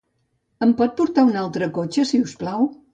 Em pot portar un altre cotxe, si us plau?